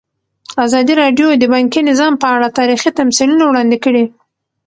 ازادي راډیو د بانکي نظام په اړه تاریخي تمثیلونه وړاندې کړي.